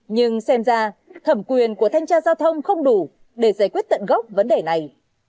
nhưng xem ra thẩm quyền của thanh tra giao thông không đủ để giải quyết tận gốc vấn đề này